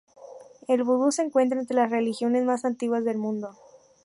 El vudú se encuentra entre las religiones más antiguas del mundo.